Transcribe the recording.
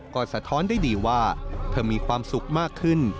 ก็สะท้อนได้ดีว่าเธอมีความสุขมากขึ้น